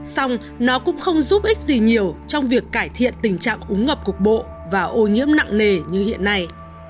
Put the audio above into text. xong nó cũng không giúp ích gì nhiều trong việc cải thiện tình trạng úng ngập cục bộ và ô nhiễm nặng nề như hiện nay